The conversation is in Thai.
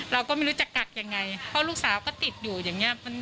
เราก็ไม่รู้จะกัดยังไงเพราะลูกสาวก็ติดอยู่อย่างนี้